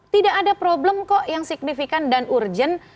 tidak ada problem kok yang signifikan dan urgent